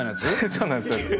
そうなんですよ。